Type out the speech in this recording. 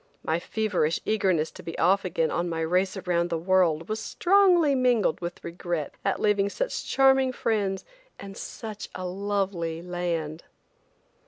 My feverish eagerness to be off again on my race around the world was strongly mingled with regret at leaving such charming friends and such a lovely land.